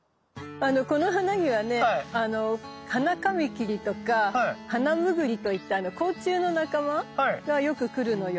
この花にはねハナカミキリとかハナムグリといった甲虫の仲間がよく来るのよ。